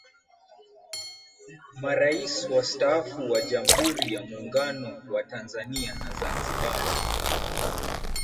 Marais wastaafu wa Jamhuri ya Muungano wa Tanzania na Zanzibar